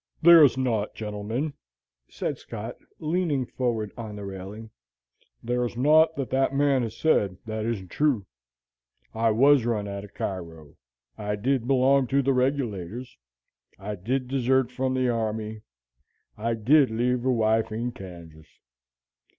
"There's naught, gentlemen," said Scott, leaning forward on the railing, "there's naught as that man hez said as isn't true. I was run outer Cairo; I did belong to the Regulators; I did desert from the army; I did leave a wife in Kansas.